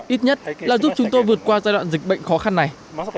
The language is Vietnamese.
ít nhất là giúp chúng tôi vượt qua giai đoạn dịch bệnh khó khăn này